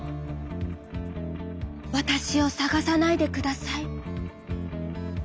「わたしをさがさないでください」。